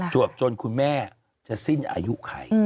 วบจนคุณแม่จะสิ้นอายุใคร